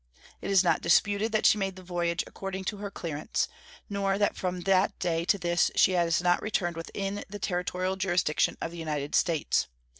It is not disputed that she made the voyage according to her clearance, nor that from that day to this she has not returned within the territorial jurisdiction of the United States.